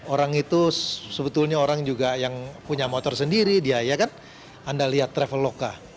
orang itu sebetulnya orang yang punya motor sendiri anda lihat traveloka